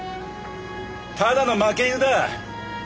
ただの負け犬だ。